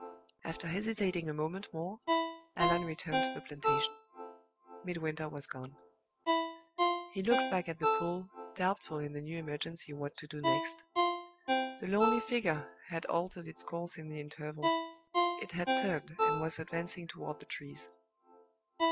After hesitating a moment more, Allan returned to the plantation. Midwinter was gone. He looked back at the pool, doubtful in the new emergency what to do next. The lonely figure had altered its course in the interval; it had turned, and was advancing toward the trees.